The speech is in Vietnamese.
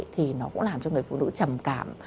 thì nó cũng làm cho người phụ nữ trầm cảm